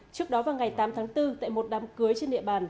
trước đó vào ngày tám tháng bốn tại một đám cưới trên địa bàn